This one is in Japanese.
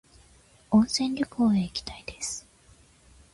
温泉旅行へ行きたいです